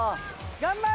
頑張れ！